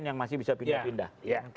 yang masih bisa pindah pindah